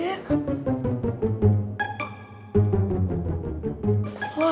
walaupun memang sama